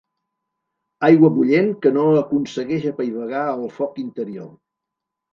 Aigua bullent que no aconsegueix apaivagar el foc interior.